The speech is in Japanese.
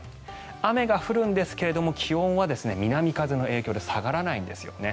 雨は降るんですが気温は南風の影響で下がらないんですよね。